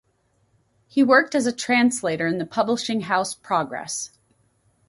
He worked as translator in the publishing house Progress.